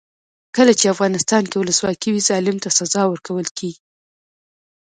کله چې افغانستان کې ولسواکي وي ظالم ته سزا ورکول کیږي.